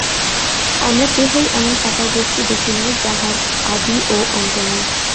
আমরা কেহই এমন সাকার বস্তু দেখি নাই, যাহার আদি ও অন্ত নাই।